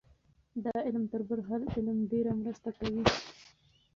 دا علم تر بل هر علم ډېره مرسته کوي.